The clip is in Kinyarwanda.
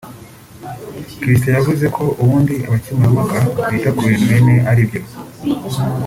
Christian yavuze ko ubundi abakemurampaka bita ku bintu bine ari byo